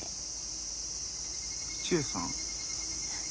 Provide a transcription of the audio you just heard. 千恵さん？